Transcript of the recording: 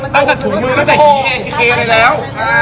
ตั้งแต่ถุงมือตั้งแต่ซีเอทีเคไปแล้ว